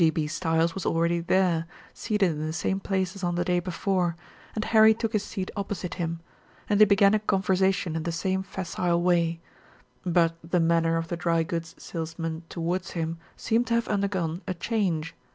G. B. Stiles was already there, seated in the same place as on the day before, and Harry took his seat opposite him, and they began a conversation in the same facile way, but the manner of the dry goods salesman towards him seemed to have undergone a change.